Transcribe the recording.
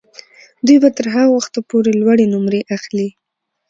دوی به تر هغه وخته پورې لوړې نمرې اخلي.